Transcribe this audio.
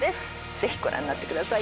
ぜひご覧になってください